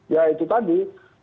ya itu tadi